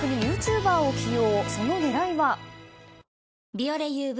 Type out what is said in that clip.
「ビオレＵＶ」